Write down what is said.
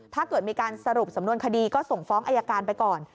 ถ้าเกิดมีการสรุปสำนวนคดีก็ส่งฟ้องอายการไปก่อน